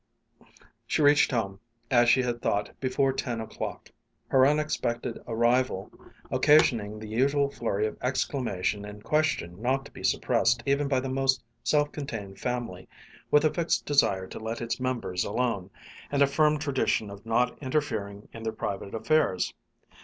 She reached home, as she had thought, before ten o'clock, her unexpected arrival occasioning the usual flurry of exclamation and question not to be suppressed even by the most self contained family with a fixed desire to let its members alone, and a firm tradition of not interfering in their private affairs.